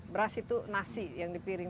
beras itu nasi yang dipiring